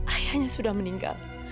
ayahnya sudah meninggal